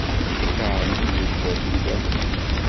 Lkaṛ-nni yella d ilem.